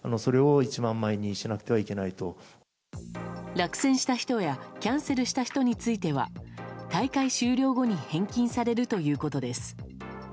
落選した人やキャンセルした人については大会終了後に返金されるということです。